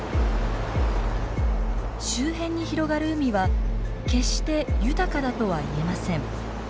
周辺に広がる海は決して豊かだとはいえません。